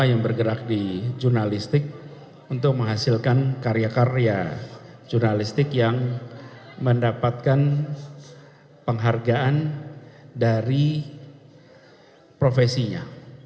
yang bergerak di jurnalistik untuk menghasilkan karya karya jurnalistik yang mendapatkan penghargaan dari profesinya